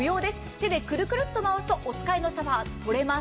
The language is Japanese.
手でくるくるっと回すとお使いのシャワーヘッド取れます。